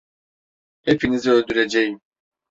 Hepinizi öldüreceğim!